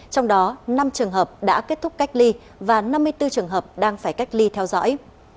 trong đó năm trường hợp đã kết thúc cách ly và năm mươi bốn trường hợp đang phải cách ly theo dõi